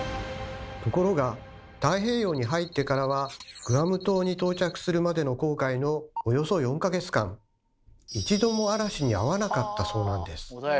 ところが太平洋に入ってからはグアム島に到着するまでの航海のおよそ４か月間一度も嵐にあわなかったそうなんです。